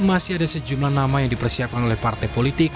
masih ada sejumlah nama yang dipersiapkan oleh partai politik